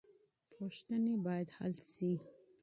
پوښتنې بايد حل سي.